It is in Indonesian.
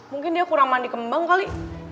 mungkin dia kurang mandi kembang kali